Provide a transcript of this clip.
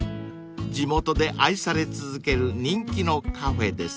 ［地元で愛され続ける人気のカフェです］